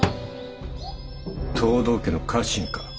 藤堂家の家臣か。